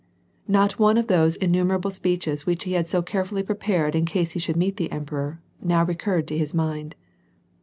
Not one of those innumerable speeches which he had so carefully prepared in case he should meet the emperor, now recurred to his mind.